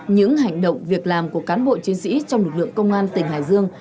những hành động việc làm của cán bộ chiến sĩ trong lực lượng công an tỉnh hải dương